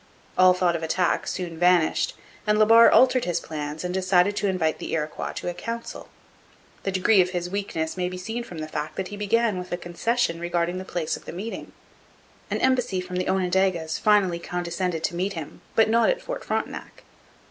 All thought of attack soon vanished, and La Barre altered his plans and decided to invite the Iroquois to a council. The degree of his weakness may be seen from the fact that he began with a concession regarding the place of meeting. An embassy from the Onondagas finally condescended to meet him, but not at Fort Frontenac.